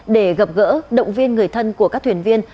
để gặp gỡ động viên người thân của các thuyền viên